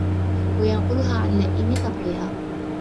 وَيَنْقُلُهَا عَنْ لَئِيمِ طَبْعِهَا